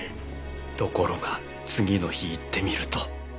ところが次の日行ってみると。